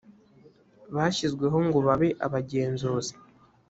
bashyizweho ngo babe abagenzuzi